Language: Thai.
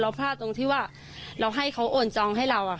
พลาดตรงที่ว่าเราให้เขาโอนจองให้เรา